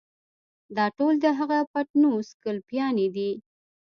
دا ټول د هغه پټنوس ګلپيانې دي.